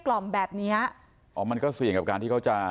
กล่อมแบบเนี้ยอ๋อมันก็เสี่ยงกับการที่เขาจะ